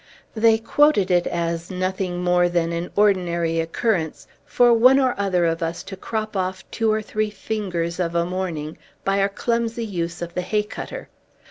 They quoted it as nothing more than an ordinary occurrence for one or other of us to crop off two or three fingers, of a morning, by our clumsy use of the hay cutter.